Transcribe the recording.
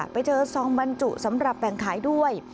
ไปเจอซองบรรจุสำหรับแบ่งขายด้วย